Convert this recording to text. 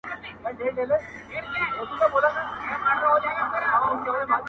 ستا لېونۍ خندا او زما له عشقه ډکه ژړا~